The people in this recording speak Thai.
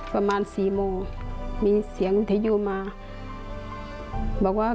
ประมาณ๔โมงมีเสียงวิทยุมา